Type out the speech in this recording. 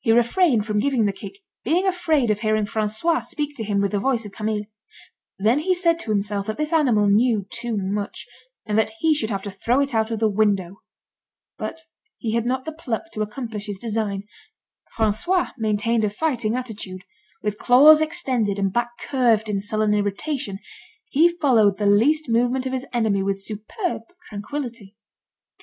He refrained from giving the kick, being afraid of hearing François speak to him with the voice of Camille. Then he said to himself that this animal knew too much, and that he should have to throw it out of the window. But he had not the pluck to accomplish his design. François maintained a fighting attitude. With claws extended, and back curved in sullen irritation, he followed the least movement of his enemy with superb tranquillity.